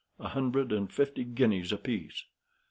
A hundred and fifty guineas apiece.